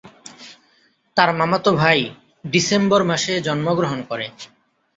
তার মামাতো ভাই ডিসেম্বর মাসে জন্মগ্রহণ করে।